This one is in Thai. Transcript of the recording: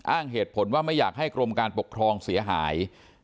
อ้างเหตุผลว่าไม่อยากให้กรมการปกครองเสียหาย